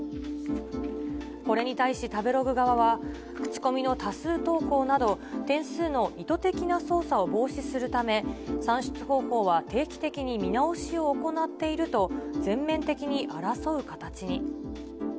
これに対し、食べログ側は口コミの多数投稿など、点数の意図的な操作を防止するため、算出方法は定期的に見直しを行っていると、全面的に争う形に。